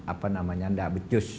apa namanya tidak becus